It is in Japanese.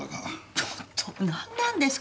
ちょっと何なんですか？